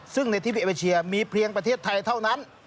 ซึ่งในทีวีเอเชียมีเพียงประเทศไทยเท่านั้น